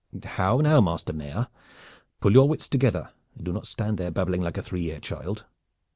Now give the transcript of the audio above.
"How now, Master Mayor? Pull your wits together and do not stand there babbling like a three year child.